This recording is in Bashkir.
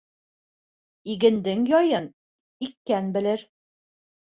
Игендең яйын иккән белер